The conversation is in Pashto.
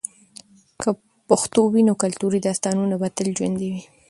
که پښتو وي، نو کلتوري داستانونه به تل ژوندۍ وي.